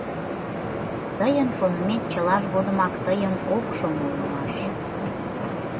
Тыйын шонымет чылаж годымак тыйым ок шоно улмаш.